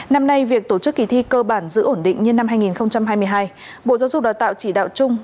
năm nay việc tổ chức kỳ thi cơ bản giữ ổn định như năm hai nghìn hai mươi hai bộ giáo dục đào tạo chỉ đạo chung